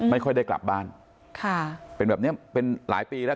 ไม่ค่อยได้กลับบ้านค่ะเป็นแบบเนี้ยเป็นหลายปีแล้ว